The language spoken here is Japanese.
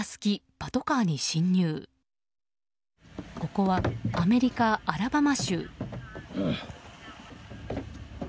ここはアメリカ・アラバマ州。